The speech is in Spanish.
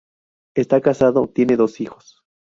Está casado, tiene dos hijos.